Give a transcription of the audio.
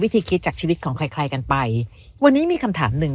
คิดจากชีวิตของใครใครกันไปวันนี้มีคำถามหนึ่ง